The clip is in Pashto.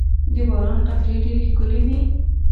• د باران قطرې ډېرې ښکلي وي.